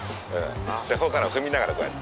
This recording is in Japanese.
ホカロン踏みながらこうやって。